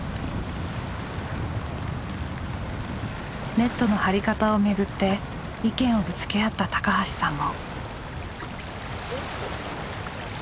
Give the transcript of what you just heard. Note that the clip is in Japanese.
ネットの張り方をめぐって意見をぶつけ合った橋さんも。